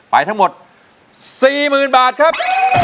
ไปทั้งหมด๔๐๐๐บาทครับ